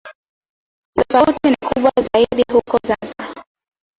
Tofauti ni kubwa zaidi huko Zanzibar.